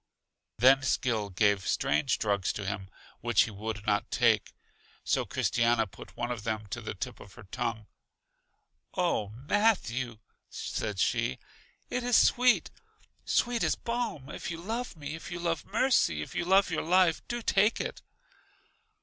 Then Skill gave strange drugs to him, which he would not take. So Christiana put one of them to the tip of her tongue. Oh, Matthew, said she, it is sweet, sweet as balm; if you love me, if you love Mercy, if you love your life, do take it!